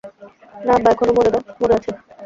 না আব্বা, এখনও মরে আছে।